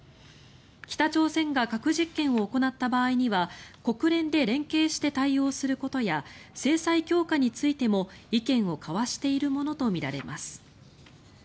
北朝鮮が核実験を行った場合には国連で連携して対応することや制裁強化についても意見を交わしているものとみられます。